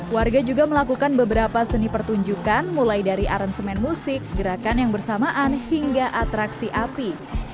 warga juga melakukan beberapa seni pertunjukan mulai dari aransemen musik gerakan yang bersamaan hingga atraksi api